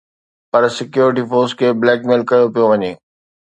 پر security force کي blackmail ڪيو پيو وڃي